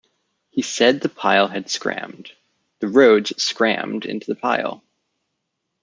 He said that the pile had "scrammed," the rods had "scrammed" into the pile.